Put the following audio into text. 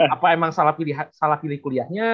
apa emang salah pilih kuliahnya